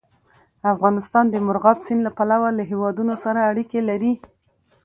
افغانستان د مورغاب سیند له پلوه له هېوادونو سره اړیکې لري.